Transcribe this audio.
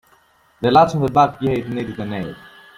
The latch on the back gate needed a nail.